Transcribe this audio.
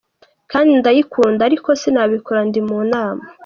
kandi ndayikunda ariko sinabikora ndi mu nama.